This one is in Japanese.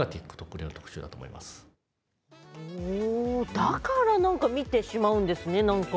だから見てしまうんですね。